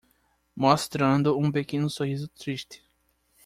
Mostrando um pequeno sorriso triste